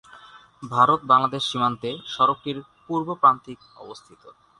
ভারত-বাংলাদেশ সীমান্তে সড়কটির পূর্ব প্রান্তিক অবস্থিত।